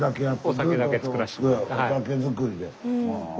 お酒造りで。